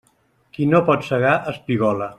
Qui no pot segar, espigola.